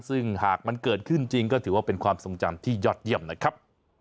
ซึ่งหากมันเกิดขึ้นจริงก็ถือว่าเป็นความทรงจำที่ยอดเยี่ยมนะครับ